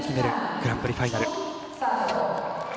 グランプリファイナル。